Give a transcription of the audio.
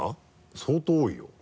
相当多いよ。